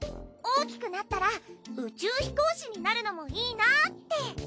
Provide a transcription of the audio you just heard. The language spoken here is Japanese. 大きくなったら宇宙飛行士になるのもいいなって。